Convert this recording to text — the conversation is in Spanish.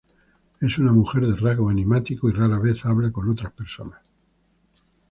Es una mujer de rasgos enigmáticos y rara vez habla con otras personas.